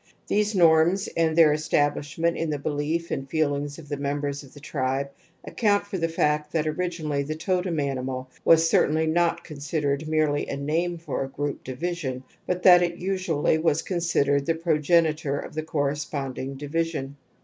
These norms and their estabUsh mentlirthe belief and feelings of the members of the tribe account for the fact that originally the totem animal was certainly not considered merely a name for a group division but that it usually was considered the progenitor of the cor responding division.